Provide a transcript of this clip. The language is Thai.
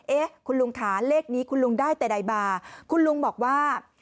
เอ๊ะคุณลุงค่ะเลขนี้คุณลุงได้แต่ใดมาคุณลุงบอกว่า